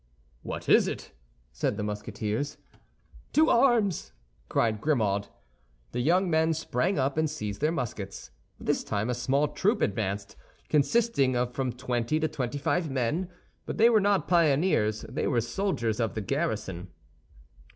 "What is it?" said the Musketeers. "To arms!" cried Grimaud. The young men sprang up, and seized their muskets. This time a small troop advanced, consisting of from twenty to twenty five men; but they were not pioneers, they were soldiers of the garrison.